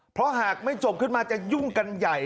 เพราะหากไม่จบขึ้นมาจะยุ่งกันใหญ่